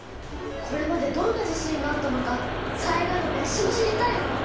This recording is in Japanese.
これまでどんな地震があったのか災害の歴史も知りたいわ！